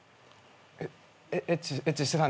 エエッチエッチしてたんです。